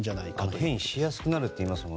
変異しやすくなるっていいますもんね。